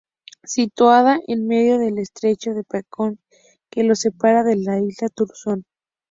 Situada en medio del estrecho de Peacock que lo separa de la isla Thurston.